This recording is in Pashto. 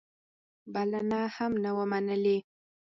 بلنه هم نه وه منلې.